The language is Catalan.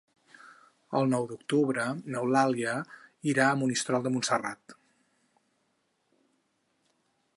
El nou d'octubre n'Eulàlia irà a Monistrol de Montserrat.